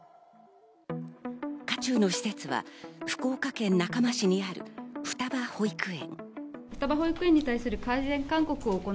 渦中の施設は福岡県中間市にある双葉保育園。